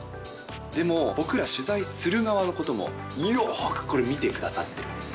でも、僕ら、取材する側のこともよーくこれ、見てくださってるんです。